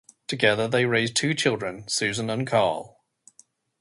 Together they raised two children, Susan and Carl.